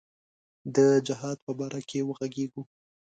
د جهاد په باره کې وږغیږو.